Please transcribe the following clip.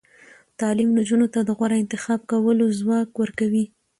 تعلیم نجونو ته د غوره انتخاب کولو ځواک ورکوي.